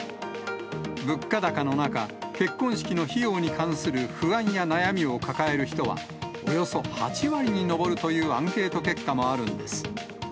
物価高の中、結婚式の費用に関する不安や悩みを抱える人は、およそ８割に上るというアンケート結果もあるんです。